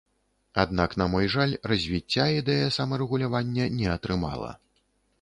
Аднак, на мой жаль, развіцця ідэя самарэгулявання не атрымала.